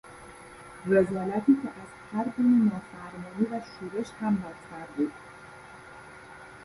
رذالتی که از هر گونه نافرمانی و شورش هم بدتر بود.